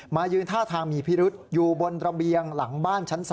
ยืนท่าทางมีพิรุษอยู่บนระเบียงหลังบ้านชั้น๒